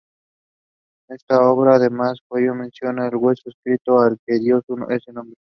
En esta obra, además, Collado menciona el hueso estribo, al que dio ese nombre.